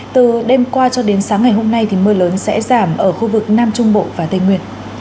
từ đêm qua cho đến sáng ngày hôm nay thì mưa lớn sẽ giảm ở khu vực nam trung bộ và tây nguyên